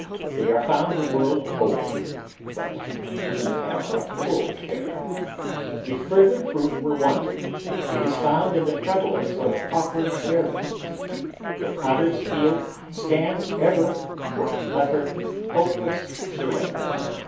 They are found the world over, but we have our full share. If further proof were wanted, it is found in the prevalence of pauper burials. The Potter's Field stands ever for utter, hope less surrender.